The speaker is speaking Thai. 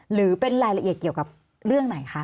หรือเป็นรายละเอียดเกี่ยวกับเรื่องไหนคะ